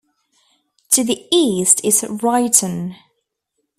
To the east is Ryton.